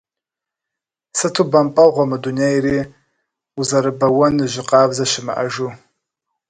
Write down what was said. Сыту бэмпӏэгъуэ мы дунейри, узэрыбэуэн жьы къабзэ щымыӏэжу…